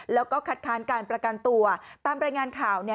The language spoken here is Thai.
แล้วก็คัดค้านการประกันตัวตามรายงานข่าวเนี่ย